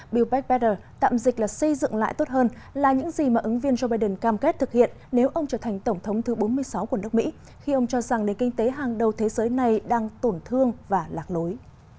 buld peck better tạm dịch là xây dựng lại tốt hơn là những gì mà ứng viên joe biden cam kết thực hiện nếu ông trở thành tổng thống thứ bốn mươi sáu của nước mỹ khi ông cho rằng nền kinh tế hàng đầu thế giới này đang tổn thương và lạc lối